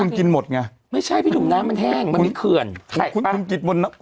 คุณกินหมดไงไม่ใช่ไปดุ่มน้ำมันแห้งมันมีเขื่อนคุณคุณกินหมดน้ำ